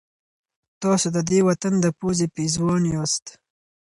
تاسو د دې وطن د پوزې پېزوان یاست.